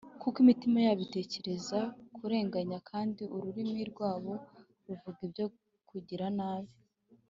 kuko imitima yabo itekereza kurenganya, kandi ururimi rwabo ruvuga ibyo kugira nabi